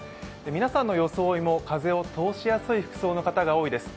皆さんの装いも風を通しやすい服装の方が多いです。